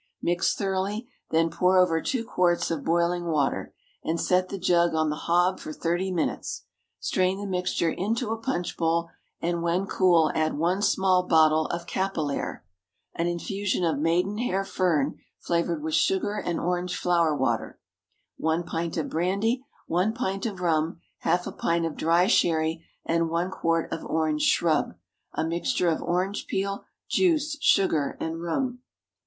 Mix thoroughly, then pour over two quarts of boiling water, and set the jug on the hob for thirty minutes. Strain the mixture into a punch bowl, and when cool add one small bottle of capillaire (an infusion of maidenhair fern, flavoured with sugar and orange flower water); one pint of brandy, one pint of rum, half a pint of dry sherry, and one quart of orange shrub a mixture of orange peel, juice, sugar, and rum.